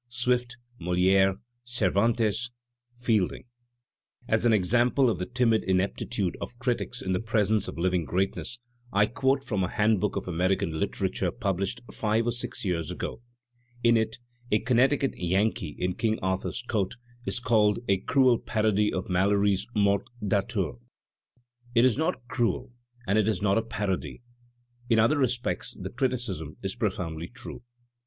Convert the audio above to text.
Swift, MoliSre, Cei^ vantes, Fielding. As an example of the timid ineptitude of critics in the presence of living greatness, I quote from a Digitized by Google 250 THE SPIRIT OF AMERICAN LITERATURE handbook of American literature published five or six years ago. In it "A Connecticut Yankee in King Arthur's Court" is called a "cruel parady of Malory's *Morte d'Arthur/ '* It is not cruel and it is not a parody; in other respects the criti cism is profoundly true.